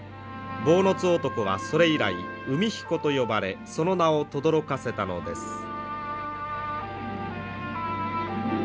坊津男はそれ以来海彦と呼ばれその名をとどろかせたのです。